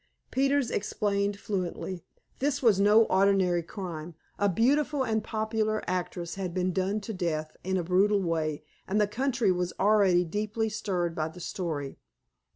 Peters explained fluently. This was no ordinary crime. A beautiful and popular actress had been done to death in a brutal way, and the country was already deeply stirred by the story.